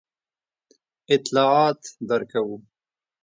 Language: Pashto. اطلاعات درکوو.